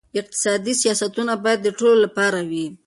اقتصادي سیاستونه باید د ټولو لپاره وي.